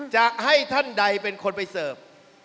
จะให้ท่านใดเป็นคนไปเสิร์ฟ